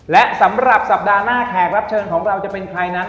และสำหรับสัปดาห์หน้าแขกรับเชิญของเราจะเป็นใครนั้น